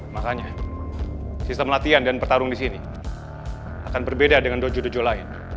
makanya sistem latihan dan pertarung di sini akan berbeda dengan dojo dojo lain